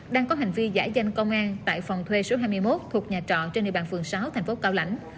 đang có hành vi giả danh công an tại phòng thuê số hai mươi một thuộc nhà trọ trên địa bàn phường sáu thành phố cao lãnh